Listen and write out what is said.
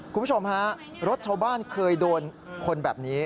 คุณผู้ชมฮะรถชาวบ้านเคยโดนคนแบบนี้